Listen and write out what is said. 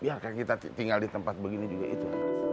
biarkan kita tinggal di tempat begini juga itu